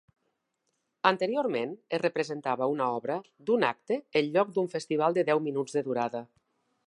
Anteriorment es representava una obra d'un acte en lloc d'un festival de deu minuts de durada.